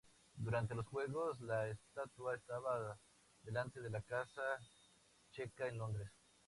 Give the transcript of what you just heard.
Durante los juegos la estatua estaba delante de la casa Checa en Londres.